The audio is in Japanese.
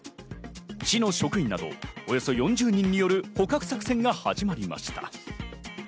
市の職員など、およそ４０人による捕獲作戦が始まりました。